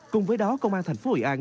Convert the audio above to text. cùng với đó công an thành phố hội an